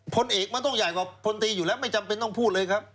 พลเอกมันต้องใหญ่กว่าพลตีอยู่แล้วไม่จำเป็นต้องพูดเลยครับ